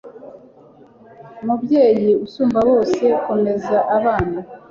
mubyeyi usumba bose, komeza abana